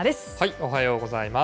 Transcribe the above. おはようございます。